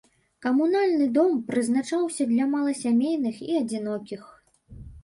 Камунальны дом прызначаўся для маласямейных і адзінокіх.